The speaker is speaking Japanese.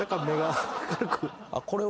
これは。